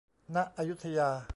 ณ อยุธยา